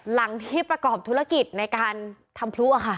หลังที่ประกอบธุรกิจในการทำพลุค่ะ